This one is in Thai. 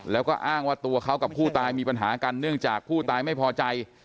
แล้วก็อ้างว่าตัวเขากับผู้ตายมีปัญหากันเนื่องจากผู้ตายไม่พอใจ